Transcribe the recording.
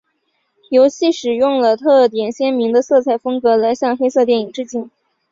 游戏使用了特点鲜明的色彩风格来向黑色电影致敬。